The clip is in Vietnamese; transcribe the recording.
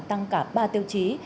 tăng cả ba tiêu chí